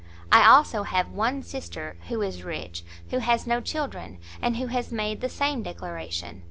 I, also, have one sister, who is rich, who has no children, and who has made the same declaration.